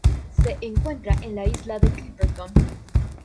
Se encuentra en la isla de Clipperton.